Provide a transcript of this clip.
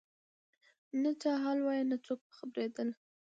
نه چا حال وایه نه څوک په خبرېدله